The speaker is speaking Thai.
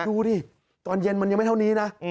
ดูดิตอนเย็นมันยังไม่เท่านี้นะ